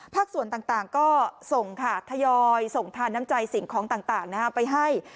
ส่วนต่างก็ส่งค่ะทยอยส่งทานน้ำใจสิ่งของต่างไปให้